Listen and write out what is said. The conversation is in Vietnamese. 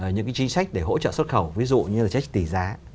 những cái chính sách để hỗ trợ xuất khẩu ví dụ như là chính sách tỷ giá